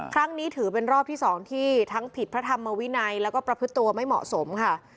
ครั้งนี้ถือเป็นรอบที่๒ที่ทั้งผิดพระธรรมวินัยแล้วก็ประพฤติตัวไม่เหมาะสมค่ะ